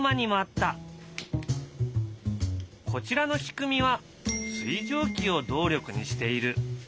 こちらの仕組みは水蒸気を動力にしている。